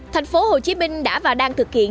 thành phố hồ chí minh đã và đang thực hiện